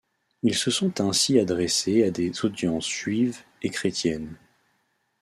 Ils se sont ainsi adressés à des audiences juives et chrétiennes.